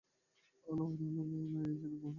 আলেয়ার আলো নয়, এ যে আগুন।